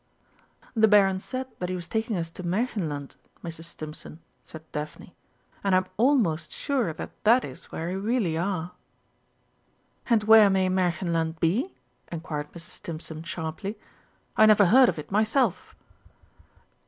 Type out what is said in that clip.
"The Baron said that he was taking us to Märchenland, Mrs. Stimpson," said Daphne; "and I'm almost sure that that is where we really are." "And where may Märchenland be?" inquired Mrs. Stimpson sharply. "I never heard of it myself."